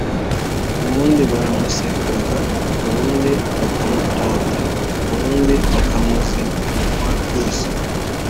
Ubundi baramusekaga, ubundi bakamutota, ubundi bakamuzinukwa rwose